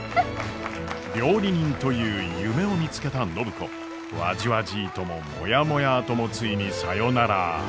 料理人という夢を見つけた暢子。わじわじーとももやもやーともついにさよなら！